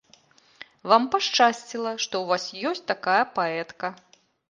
Вам пашчасціла, што ў вас ёсць такая паэтка.